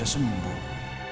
nailah gak bisa sembuh